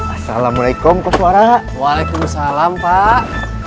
assalamualaikum poswara waalaikumsalam pak